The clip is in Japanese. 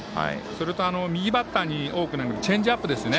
それと、右バッターに多く投げるチェンジアップですね。